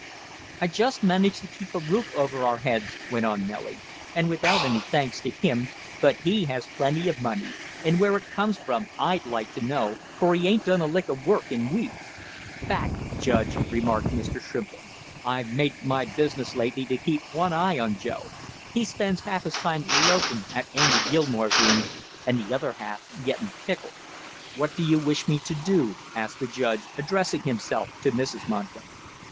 "I just manage to keep a roof over our heads," went on Nellie, "and without any thanks to him; but he has plenty of money, and where it comes from I'd like to know, for he ain't done a lick of work in weeks!" "Fact, Judge!" remarked Mr. Shrimplin. "I've made it my business lately to keep one eye on Joe. He spends half his time loafin' at Andy Gilmore's rooms, and the other half gettin' pickled." "What do you wish me to do?" asked the judge, addressing himself to Mrs. Montgomery.